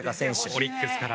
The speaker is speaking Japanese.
オリックスから。